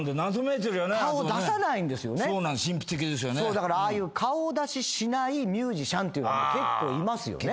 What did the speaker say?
だからああいう顔出ししないミュージシャンって結構いますよね。